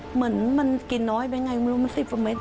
เหมือนมันกินน้อยไปอย่างไรมันรู้มา๑๐ประเมตร